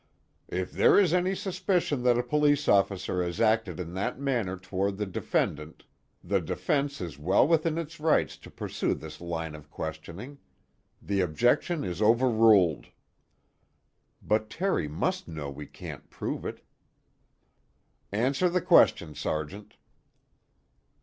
"If there is any suspicion that a police officer has acted in that manner toward the defendant, the defense is well within its rights to pursue this line of questioning. The objection is overruled." But Terry must know we can't prove it. "Answer the question, Sergeant."